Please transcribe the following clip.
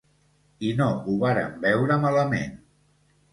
I no ho vàrem veure malament.